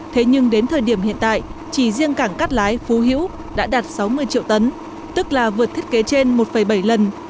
thế nhưng đến thời điểm hiện tại chỉ riêng cảng cát lái phú hữu đã đạt sáu mươi triệu tấn tức là vượt thiết kế trên một bảy lần